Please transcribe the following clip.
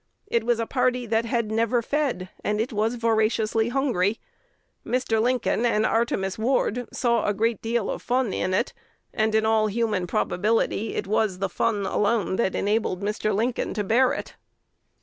It was a party that had never fed; and it was voraciously hungry. Mr. Lincoln and Artemus Ward saw a great deal of fun in it; and in all human probability it was the fun alone that enabled Mr. Lincoln to bear it.